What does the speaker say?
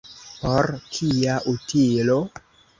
Por kia utilo?